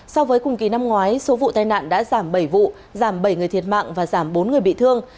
so với cùng kỳ năm ngoái số vụ tai nạn đã giảm bảy vụ giảm bảy người thiệt mạng và giảm bốn người bị thương